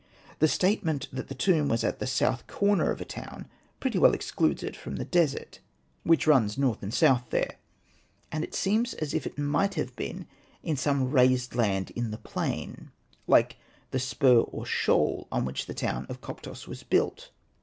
The statement that the tomb was at the south corner of a town pretty well excludes it from the desert, which runs north and Hosted by Google 140 SETNA AND THE MAGIC BOOK south there. And it seems as if it might have been in some raised land in the plain, like the spur or shoal on which the town of Koptos was built.